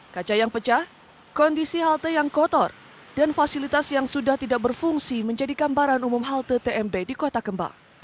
kaca yang pecah kondisi halte yang kotor dan fasilitas yang sudah tidak berfungsi menjadi gambaran umum halte tmp di kota kembang